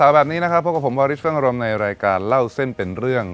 แบบนี้นะครับพบกับผมวาริสเฟิงอารมณ์ในรายการเล่าเส้นเป็นเรื่อง